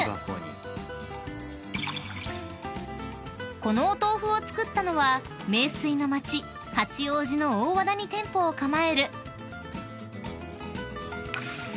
［このお豆腐を作ったのは名水の街八王子の大和田に店舗を構える］